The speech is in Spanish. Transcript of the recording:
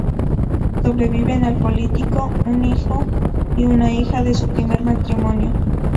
Sobreviven al político un hijo y una hija de su primer matrimonio.